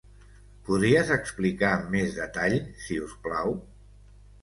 Podries explicar amb més detall si us plau?